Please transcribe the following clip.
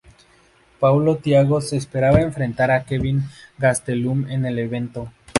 Paulo Thiago se esperaba enfrentar a Kelvin Gastelum en el evento.